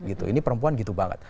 ini perempuan gitu banget